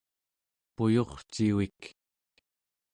puyurcivik